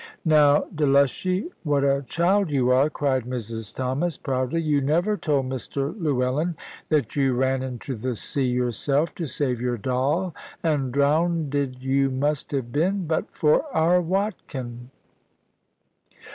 "Now, Delushy, what a child you are!" cried Mrs Thomas, proudly; "you never told Mr. Llewellyn that you ran into the sea yourself, to save your doll; and drownded you must have been, but for our Watkin."